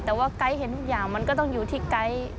แต่ว่าไกด์เห็นทุกอย่างมันก็ต้องอยู่ที่ไกด์